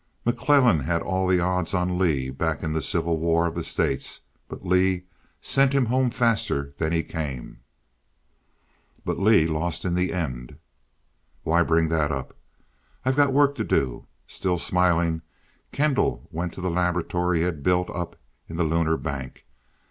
"McClellan had all the odds on Lee back in the Civil War of the States but Lee sent him home faster than he came." "But Lee lost in the end." "Why bring that up? I've got work to do." Still smiling, Kendall went to the laboratory he had built up in the "Lunar Bank."